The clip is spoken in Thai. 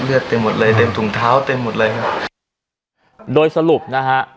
เต็มหมดเลยเต็มถุงเท้าเต็มหมดเลยครับโดยสรุปนะฮะ